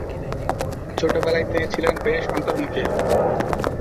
ছোটবেলায় তিনি ছিলেন বেশ অন্তর্মুখী।